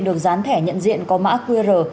được dán thẻ nhận diện có mã qr